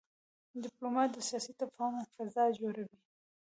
ډيپلومات د سیاسي تفاهم فضا جوړوي.